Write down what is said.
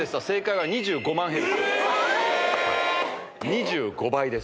２５倍です